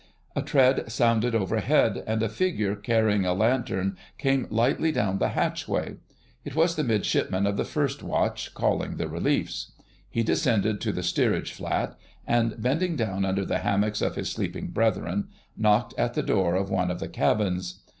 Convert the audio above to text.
A tread sounded overhead, and a figure carrying a lantern came lightly down the hatchway. It was the Midshipman of the First Watch, calling the reliefs. He descended to the steerage flat, and bending down under the hammocks of his sleeping brethren, knocked at the door of one of the cabins.